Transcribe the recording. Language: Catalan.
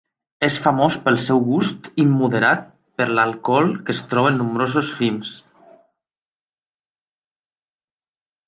És famós pel seu gust immoderat per l'alcohol que es troba en nombrosos films.